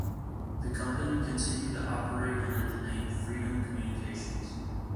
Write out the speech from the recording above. The company continued to operate under the name Freedom Communications.